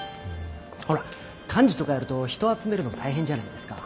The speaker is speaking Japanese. ほら幹事とかやると人を集めるの大変じゃないですか。